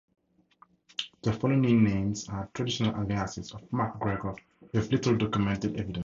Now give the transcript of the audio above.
The following names are traditional aliases of MacGregor with little documented evidence.